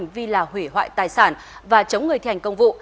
vì là hủy hoại tài sản và chống người thi hành công vụ